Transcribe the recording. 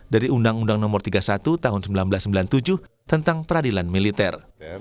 dari undang undang no tiga puluh satu tahun seribu sembilan ratus sembilan puluh tujuh tentang peradilan militer